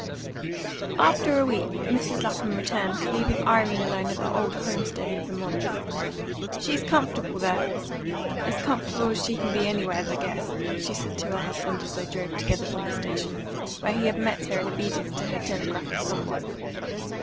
XX. AFTER a week Mrs. Lapham returned, leaving Irene alone at the old homestead in Vermont. "She's comfortable there as comfortable as she can be anywheres, I guess," she said to her husband as they drove together from the station, where he had met her in obedience to her telegraphic summons.